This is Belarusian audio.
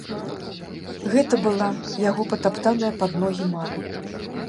Гэта была яго патаптаная пад ногі мара.